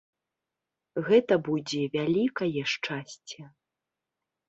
Гэта будзе вялікае шчасце.